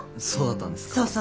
そうだったんですか。